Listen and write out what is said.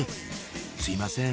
すいません